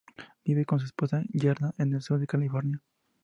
Vive con su esposa Gerda en el sur de California.